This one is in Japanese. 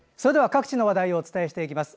各地の話題をお伝えします。